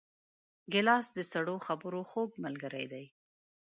ګیلاس د سړو خبرو خوږ ملګری دی.